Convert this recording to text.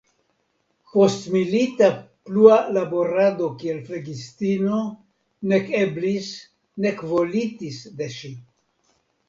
Postmilita plua laborado kiel flegistino nek eblis nek volitis de ŝi.